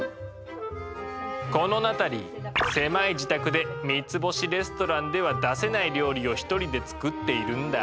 このナタリー狭い自宅で三つ星レストランでは出せない料理を１人で作っているんだ。